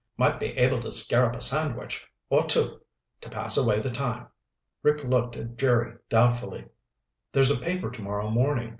Might be able to scare up a sandwich or two to pass away the time." Rick looked at Jerry doubtfully. "There's a paper tomorrow morning.